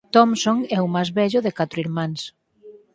Thompson é o máis vello de catro irmáns.